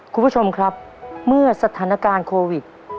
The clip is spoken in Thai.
คุณผู้ชมครับเมื่อสถานการณ์โควิด